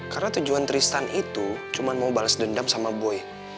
karena tujuan tristan itu cuma mau bales gendam sama boy